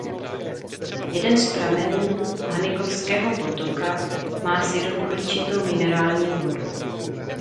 Jeden z pramenů Hanigovského potoka má sirouhličitou minerální vodu.